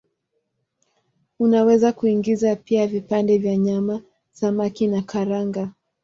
Unaweza kuingiza pia vipande vya nyama, samaki na karanga.